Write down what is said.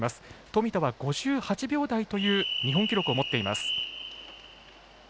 富田は５８秒台という日本記録を持っています。